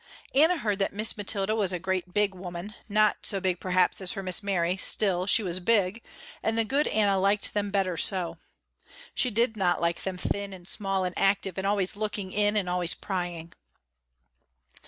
Anna heard that Miss Mathilda was a great big woman, not so big perhaps as her Miss Mary, still she was big, and the good Anna liked them better so. She did not like them thin and small and active and always looking in and always prying.